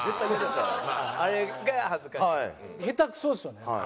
下手くそですよね。